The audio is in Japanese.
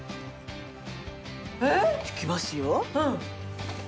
えっ？いきますよ。